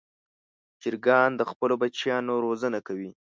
چرګان د خپلو بچیانو روزنه کوي.